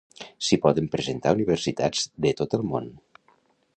S'hi poden presentar universitats de tot el món.